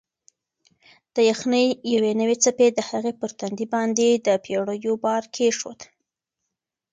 د یخنۍ یوې څپې د هغې پر تندي باندې د پېړیو بار کېښود.